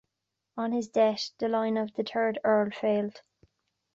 On his death the line of the third Earl failed.